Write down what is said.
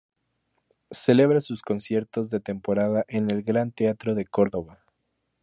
Celebra sus conciertos de temporada en el Gran Teatro de Córdoba.